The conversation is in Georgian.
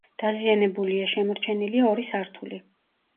დაზიანებულია, შემორჩენილია ორი სართული.